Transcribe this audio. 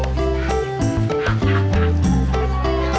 tapi itu anehnya